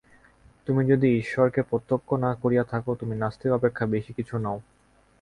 তুমি যদি ঈশ্বরকে প্রত্যক্ষ না করিয়া থাক, তুমি নাস্তিক অপেক্ষা বেশী কিছু নও।